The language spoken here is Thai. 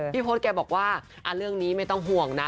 โพสต์แกบอกว่าเรื่องนี้ไม่ต้องห่วงนะ